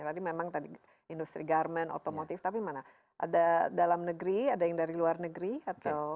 tadi memang tadi industri garmen otomotif tapi mana ada dalam negeri ada yang dari luar negeri atau